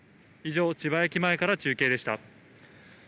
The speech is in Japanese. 以上、千葉駅前から中継でした。